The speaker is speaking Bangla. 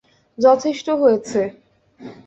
যথেষ্ট হয়েছে!